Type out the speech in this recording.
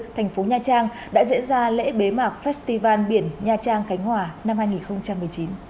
thành phố nha trang đã diễn ra lễ bế mạc festival biển nha trang khánh hòa năm hai nghìn một mươi chín